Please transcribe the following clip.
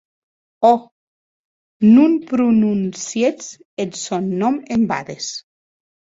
Ò!, non prononciètz eth sòn nòm en bades!